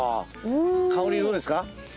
香りどうですか？